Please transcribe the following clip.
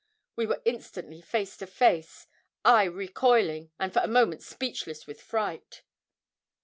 We were instantly face to face I recoiling, and for a moment speechless with fright.